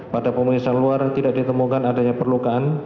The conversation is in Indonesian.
pada pemeriksaan luar tidak ditemukan adanya perlukaan